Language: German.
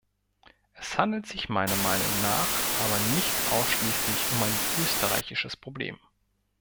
Es handelt sich meiner Meinung nach aber nicht ausschließlich um ein österreichisches Problem.